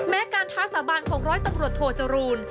แม้การท้าสาบานของร้อยตำรวจโทจรูล